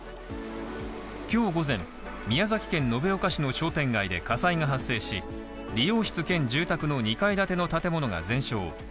今日午前、宮崎県延岡市の商店街で火災が発生し理容室兼住宅の２階建ての建物が全焼。